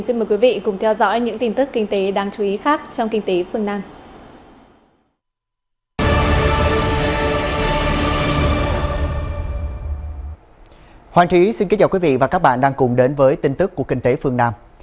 xin mời quý vị và các bạn đang cùng đến với tin tức của kinh tế phương nam